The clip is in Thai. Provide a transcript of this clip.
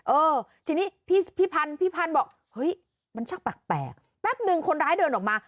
เออทีนี้พี่พันธ์พี่พันธ์บอกเฮ้ยมันช่างแปลกแป๊บนึงคนร้ายเดินออกมา